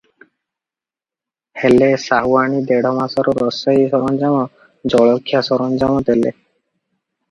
ହେଲେ, ସାହୁଆଣୀ ଦେଢ଼ ମାସର ରୋଷେଇ ସରଞ୍ଜାମ, ଜଳଖିଆ ସରଞ୍ଜାମ ଦେଲେ ।